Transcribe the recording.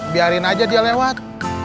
biarin aja dia lewat